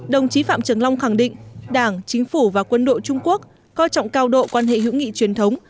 đồng chí phạm trưởng long khẳng định đảng chính phủ và quân đội trung quốc coi trọng cao độ quan hệ hữu nghị truyền thống